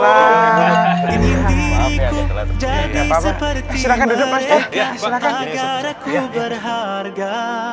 anak anak pasti di toilet dulu